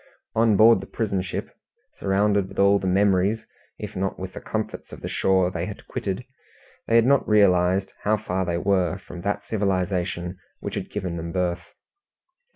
On board the prison ship, surrounded with all the memories if not with the comforts of the shore they had quitted, they had not realized how far they were from that civilization which had given them birth.